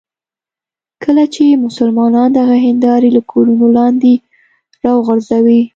کله چې مسلمانان دغه هندارې له کورونو لاندې راوغورځوي.